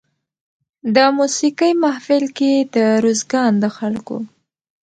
د موسېقۍ محفل کې د روزګان د خلکو